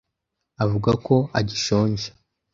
avuga ko agishonje.